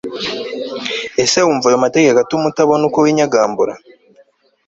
ese wumva ayo mategeko atuma utabona uko winyagambura